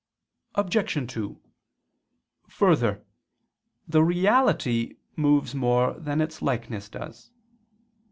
Obj. 2: Further, the reality moves more than its likeness does.